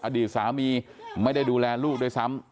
อดีตสามีไม่ได้ดูแลลูกด้วยซ้ำ